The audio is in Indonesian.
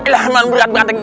ilah man berat berat enggak